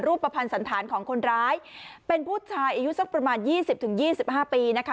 ประพันธ์สันธารของคนร้ายเป็นผู้ชายอายุสักประมาณ๒๐๒๕ปีนะคะ